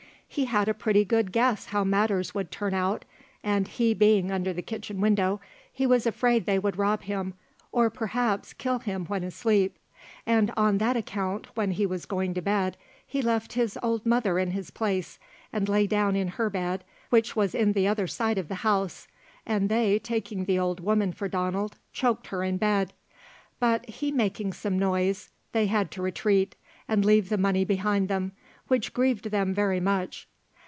He had a pretty good guess how matters would turn out, and he being under the kitchen window, he was afraid they would rob him, or perhaps kill him when asleep, and on that account when he was going to bed he left his old mother in his place, and lay down in her bed, which was in the other side of the house, and they taking the old woman for Donald, choked her in her bed, but he making some noise, they had to retreat, and leave the money behind them, which grieved them very much.